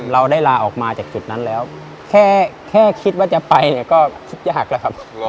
เราได้ลาออกมาจากจุดนั้นแล้วแค่คิดว่าจะไปเนี่ยก็ยากแล้วครับ